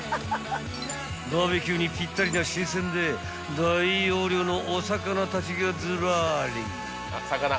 ［バーベキューにぴったりな新鮮で大容量のお魚たちがずらり］